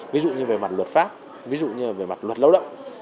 ví dụ như về mặt luật pháp ví dụ như về mặt luật lao động